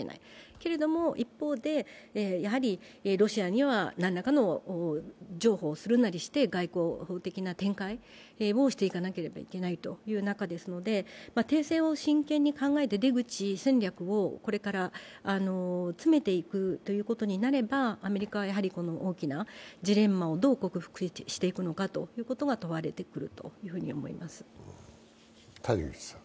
けれども一方でロシアには何らかの譲歩をするなりして外交的な展開をしていかなければいけないという中ですので、停戦を真剣に考えて出口戦略をこれから詰めていくということになればアメリカは大きなジレンマをどう克服していくかが問われていると思います。